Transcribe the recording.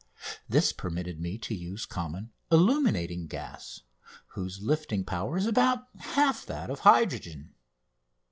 This permitted me to use common illuminating gas, whose lifting power is about half that of hydrogen.